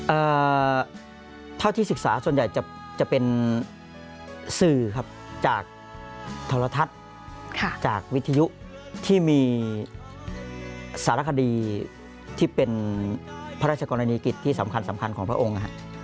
เอ่อเท่าที่ศึกษาส่วนใหญ่จะจะเป็นสื่อครับจากโทรทัศน์ค่ะจากวิทยุที่มีสารคดีที่เป็นพระราชกรณีกิจที่สำคัญสำคัญของพระองค์นะฮะ